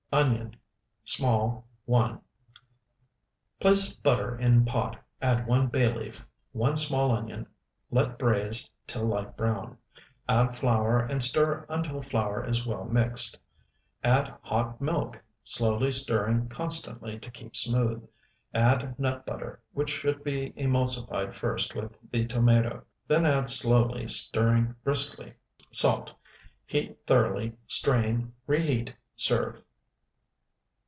Onion, small, 1. Place butter in pot, add one bay leaf, one small onion; let braize till light brown, add flour, and stir until flour is well mixed; add hot milk, slowly stirring constantly to keep smooth; add nut butter, which should be emulsified first with the tomato, then add slowly stirring briskly; salt, heat thoroughly, strain; reheat, serve.